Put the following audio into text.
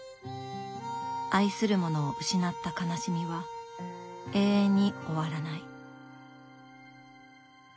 愛する者を失った悲しみは永遠に終わらない。